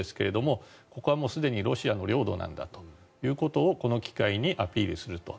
ここはもうすでにロシアの領土なんだということをこの機会にアピールすると。